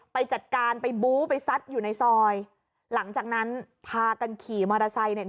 ไปจัดการไปบู้ไปซัดอยู่ในซอยหลังจากนั้นพากันขี่มอเตอร์ไซค์เนี่ย